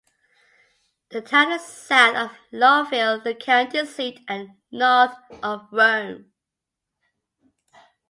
The town is south of Lowville, the county seat, and north of Rome.